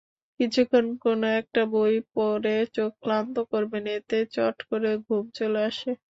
কিছুক্ষণ কোনোএকটা বই পড়ে চোখ ক্লান্ত করবেন-এতে চট করে ঘুম চলে আসে।